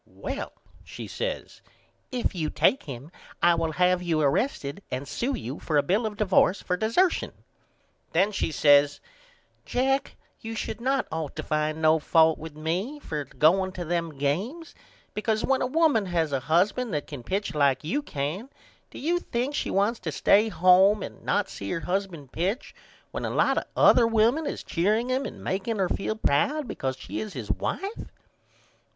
Well, she says, if you take him I will have you arrested and sew you for a bill of divorce for dessertion. Then she says Jack you should not ought to find no fault with me for going to them games because when a woman has a husband that can pitch like you can do you think she wants to stay home and not see her husband pitch when a lot of other women is cheering him and makeing her feel proud because she is his wife?